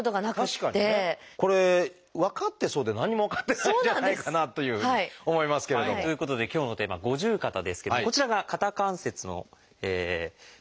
確かにね。これ分かってそうで何にも分かってないんじゃないかなというふうに思いますけれども。ということで今日のテーマは「五十肩」ですけどこちらが肩関節の模型です。